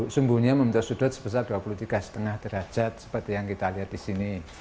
sumbunya membentuk sudut sebesar dua puluh tiga lima derajat seperti yang kita lihat di sini